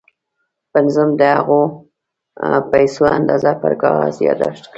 پنځم د هغو پيسو اندازه پر کاغذ ياداښت کړئ.